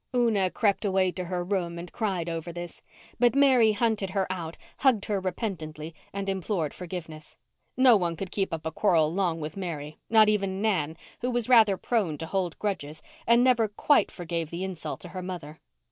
Una crept away to her room and cried over this, but Mary hunted her out, hugged her repentantly and implored forgiveness. No one could keep up a quarrel long with Mary—not even Nan, who was rather prone to hold grudges and never quite forgave the insult to her mother.